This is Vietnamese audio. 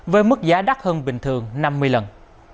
với mức giá đắt hơn bình thường năm mươi lần